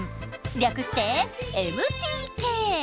略して「ＭＴＫ」！